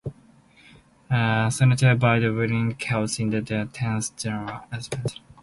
Senator by the Whig caucus in the Tennessee General Assembly.